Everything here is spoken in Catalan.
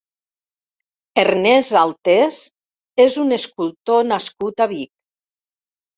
Ernest Altés és un escultor nascut a Vic.